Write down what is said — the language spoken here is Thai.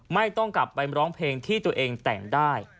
ไม่ต้องกลับไปร้องเพลงที่ตัวเองแต่งได้